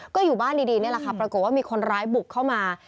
ก็อยู่บ้านดีนี่แหละค่ะปรากฏว่ามีคนร้ายบุกเข้ามา